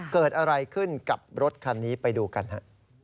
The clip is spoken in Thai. เกิดอะไรขึ้นกับรถคันนี้ไปดูกันฮะ